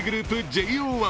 ＪＯ１。